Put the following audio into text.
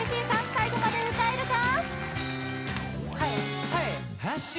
最後まで歌えるか？